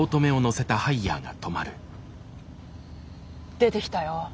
出てきたよ。